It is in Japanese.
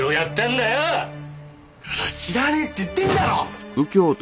だから知らねえって言ってんだろ！